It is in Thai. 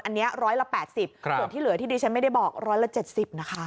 อันนี้ร้อยละ๘๐ส่วนที่เหลือที่ดิฉันไม่ได้บอกร้อยละ๗๐นะคะ